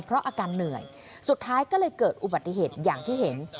เพราะอาการเหนื่อยสุดท้ายก็เลยเกิดอุบัติเหตุอย่างที่เห็น